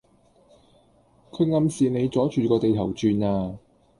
佢暗示你阻住個地球轉呀